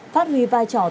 phát huy vai trò tự quản